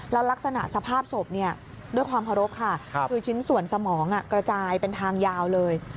แล้วลักษณะสภาพศพด้วยความเคารพค่ะคือชิ้นส่วนสมองกระจายเป็นทางยาวเลย